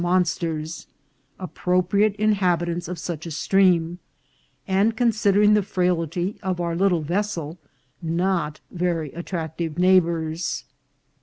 375 monsters, appropriate inhabitants of such a stream, and, considering the frailty of our little vessel, not very at tractive neighbours.